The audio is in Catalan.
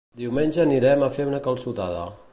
Diumenge anirem a fer una calçotada.